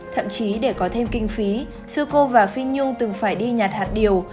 thậm chí để có thêm kinh phí sư cô và phi nhung từng phải đi nhạt hạt điều